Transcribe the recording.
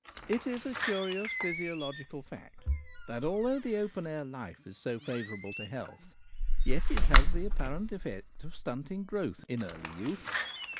It is a curious physiological fact that although open air life is so favourable to health, yet it has the apparent effect of stunting growth in early youth.